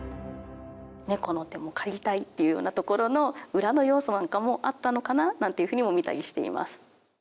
「猫の手も借りたい」っていうようなところの裏の要素なんかもあったのかななんていうふうにも見たりしています。